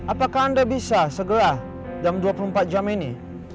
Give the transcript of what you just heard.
apakah anda bisa segera dalam dua puluh empat jam ini